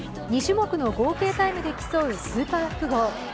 ２種目の合計タイムで競うスーパー複合。